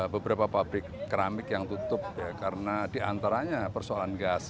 beberapa pabrik keramik yang tutup ya karena diantaranya persoalan gas